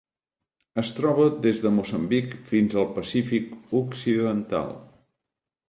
Es troba des de Moçambic fins al Pacífic occidental.